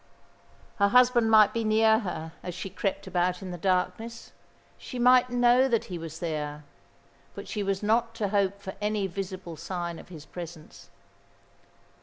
Her husband might be near her as she crept about in the darkness. She might know that he was there; but she was not to hope for any visible sign of his presence.